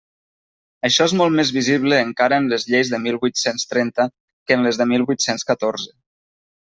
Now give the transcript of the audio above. Això és molt més visible encara en les lleis de mil vuit-cents trenta que en les de mil vuit-cents catorze.